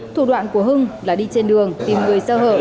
thủ đoạn của hưng là đi trên đường tìm người sơ hở